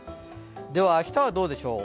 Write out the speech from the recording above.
では、明日はどうでしょう。